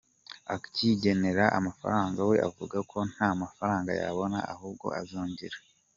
akayigenera amafaranga, we avuga ko nta mafaranga yabona ahubwo azongera.